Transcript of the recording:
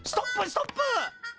ストップ！